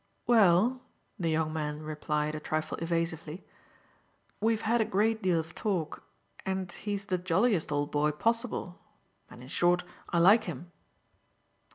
"Well," the young man replied a trifle evasively, "we've had a great deal of talk, and he's the jolliest old boy possible, and in short I like him."